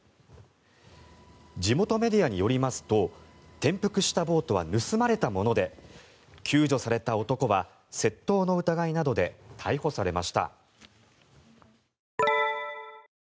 地元メディアによりますと転覆したボートは盗まれたもので救助された男は窃盗の疑いなどで逮捕されました。